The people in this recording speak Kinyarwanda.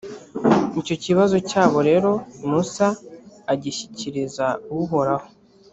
icyo kibazo cyabo rero musa agishyikiriza uhoraho.